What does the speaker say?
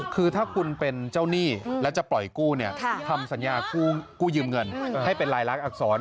คือถ้าคุณเป็นเจ้าหนี้และจะปล่อยกู้ทำสัญญากู้ยืมเงินให้เป็นรายลักษณอักษร